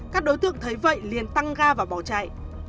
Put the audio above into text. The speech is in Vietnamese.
các đối tượng thấy vậy liền tăng ga và bỏ chạy